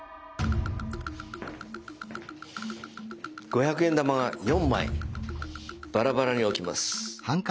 五百円玉が４枚バラバラに置きます。